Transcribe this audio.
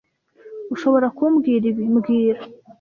Ushobora kumbwira ibi mbwira